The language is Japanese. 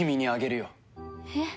えっ！